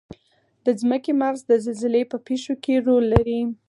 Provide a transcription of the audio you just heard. د ځمکې مغز د زلزلې په پیښو کې رول لري.